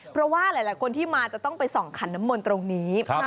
เพราะว่าหลายคนที่มาจะต้องไปส่องขันน้ำมนต์ตรงนี้